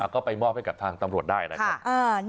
ก็ไปมอบให้กับทางตำรวจได้นะครับ